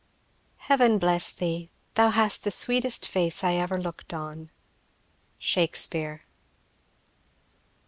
Heav'n bless thee; Thou hast the sweetest face I ever look'd on. Shakspeare.